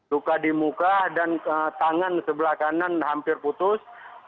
luka di muka dan tangan sebelah kanan hampir putus